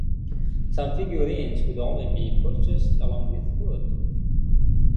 Some figurines could only be purchased along with food.